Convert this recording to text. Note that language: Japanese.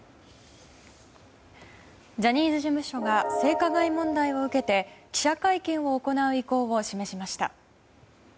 ジャニーズ事務所が性加害問題を受けて記者会見を行う意向を示しました。